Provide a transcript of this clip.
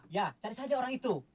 ya cari saja orang itu